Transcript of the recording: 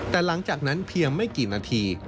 แต่หลังจากนั้นเพียงไม่กี่นาที